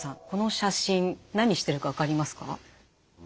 この写真何してるか分かりますか？